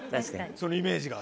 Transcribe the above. そのイメージが。